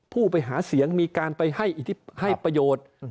ผู้ไปหาเสียงมีการไปให้ประโยชน์